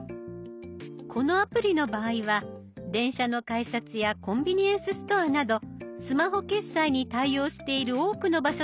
このアプリの場合は電車の改札やコンビニエンスストアなどスマホ決済に対応している多くの場所で使えます。